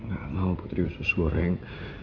nggak mau putri usus goreng